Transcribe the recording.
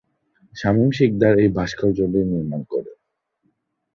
শামীম শিকদার এই ভাস্কর্যটি নির্মাণ করেন।